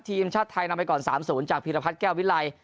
ทีมชาติไทยนำไปก่อน๓๐จากพีรพัฒน์แก้ววิไล